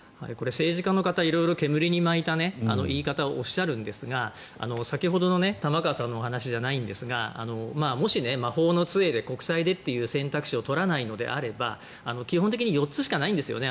政治家の方、色々煙に巻いた言い方をおっしゃるんですが先ほどの玉川さんのお話じゃないんですがもし、法の杖で国債でという選択肢を取らないというのであれば４つしかないんですね。